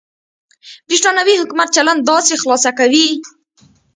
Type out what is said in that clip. برېټانوي حکومت چلند داسې خلاصه کوي.